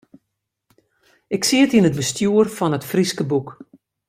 Ik siet yn it bestjoer fan It Fryske Boek.